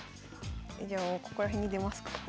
じゃあもうここら辺に出ますか。